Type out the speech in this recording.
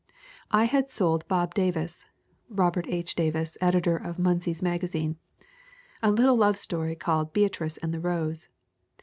"I had sold Bob Davis [Robert H. Davis, editor of Munsey's Magazine} a little love story called Bea trice and the Rose.